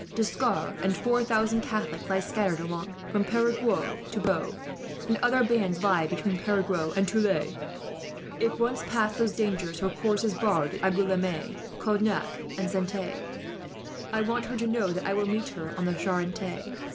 D'Escars and four thousand Catholics lie scattered along from Perigueux to Bordeaux, and other bands lie between Perigueux and Tulle. If once past those dangers, her course is barred at Angouleme, Cognac, and Saintes. "I want her to know that I will meet her on the Charente.